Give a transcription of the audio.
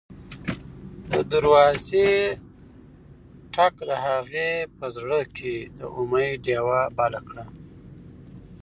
د دروازې ټک د هغې په زړه کې د امید ډېوه بله کړه.